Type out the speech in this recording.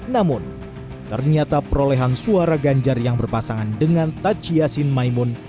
namun ternyata perolehan suara ganjar yang berpasangan dengan taj yassin maimun